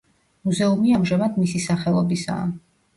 მუზეუმი ამჟამად მისი სახელობისაა.